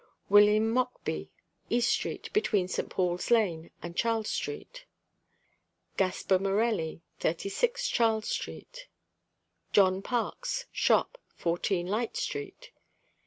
WILLIAM MOCKBEE, East street, between St. Paul's lane and Charles street. GASPER MORELLI, 36 Charles street. JOHN PARKS, Shop, 14 Light street.